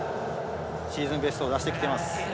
シーズンベストを出してきています。